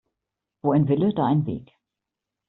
Wo ein Wille, da ein Weg.